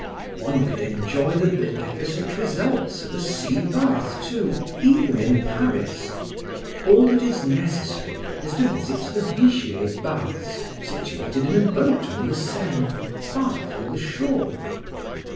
One could enjoy the beneficent results of a sea bath, too, even in Paris. All that is necessary is to visit the Vigier baths situated in a boat on the Seine, far from the shore.